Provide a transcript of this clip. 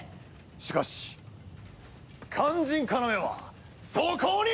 しかし肝心要はそこにあらず！